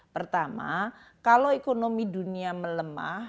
pertama kalau ekonomi dunia melemah